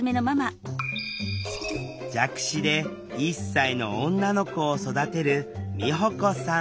弱視で１歳の女の子を育てる美保子さん